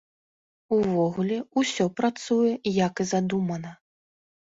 Увогуле, усё працуе, як і задумана.